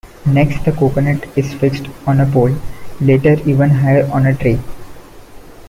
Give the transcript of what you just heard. Next the coconut is fixed on a pole, later even higher on a tree.